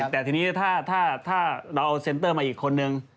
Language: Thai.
แต่ทีนี้ถ้าเราเอาเซ็นเตอร์มาอีกคนนึง